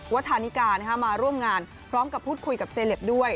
ธานิกามาร่วมงานพร้อมกับพูดคุยกับเซเลปด้วย